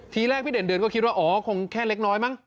ทีแรกพี่เด่นเดือนก็คิดว่าอ๋อคงแค่เล็กน้อยมั้ง